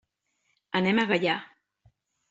Anem a Gaià.